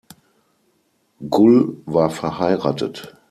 Gull war verheiratet.